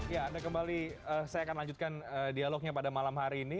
ya anda kembali saya akan lanjutkan dialognya pada malam hari ini